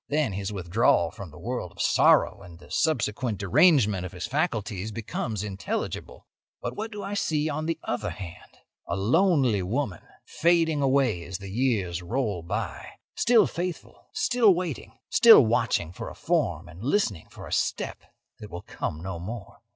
Then his withdrawal from the world of sorrow and the subsequent derangement of his faculties becomes intelligible. "But what do I see on the other hand? A lonely woman fading away as the years roll by; still faithful, still waiting, still watching for a form and listening for a step that will come no more.